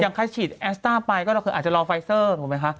ใครฉีดแอสต้าไปก็คืออาจจะรอไฟเซอร์ถูกไหมคะ